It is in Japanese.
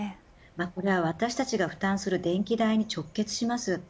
これは、私たちが負担する電気代に直結します。